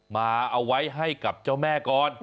มาเอาไว้ให้กับเจ้าแม่ก่อนจ๋อแม่กริม